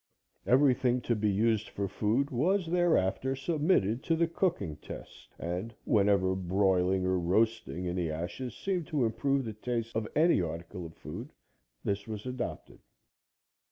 Everything to be used for food was thereafter submitted to the cooking test, and, whenever broiling or roasting in the ashes seemed to improve the taste of any article of food, this was adopted.